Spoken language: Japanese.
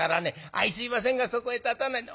相すいませんがそこへ立たないで。